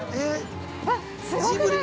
◆わっ、すごくない？